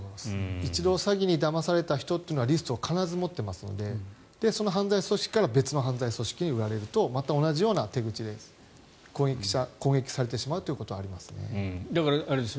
一度、詐欺にだまされた人というのはリストを必ず持ってますのでその犯罪組織から別の犯罪組織に売られるとまた同じような手口で攻撃されてしまうことはありますね。